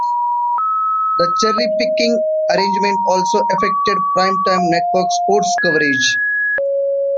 The cherry-picking arrangement also affected primetime network sports coverage.